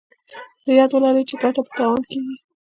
په ياد ولرئ چې ګټه په تاوان کېږي.